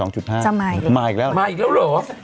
จะมาอีกแล้วมาอีกแล้วเหรอ